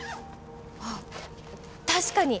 あっ確かに